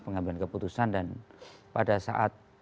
pengambilan keputusan dan pada saat